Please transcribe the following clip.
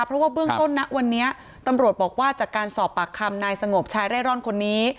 เพราะว่าเบื้องต้นนะวันนี้ตำรวจบอกว่าจากการสอบปากคำนายสงบชายเร่ร่อนคนนี้